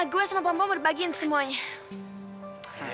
eh gue sama pom pom udah bagiin semuanya